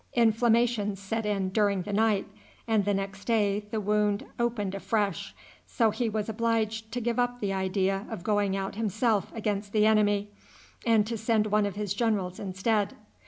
Inflammation set in during the night, and the next day the wound opened afresh; so he was obliged to give up the idea of going out himself against the enemy, and to send one of his generals instead.